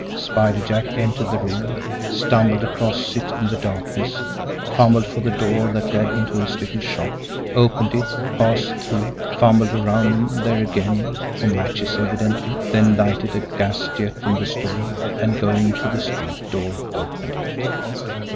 Spider Jack entered the room, stumbled across it, in the darkness, fumbled for the door that led into his little shop, opened it, passed through, fumbled around in there again, for matches evidently, then lighted a gas jet in the store, and, going to the street door, opened it.